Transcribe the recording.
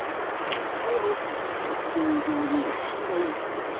それも直線状に並んでいます。